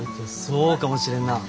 そうかもしれんなあ。